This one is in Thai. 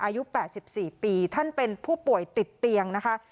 อายุแปดสิบสี่ปีท่านเป็นผู้ป่วยติดเตียงนะคะ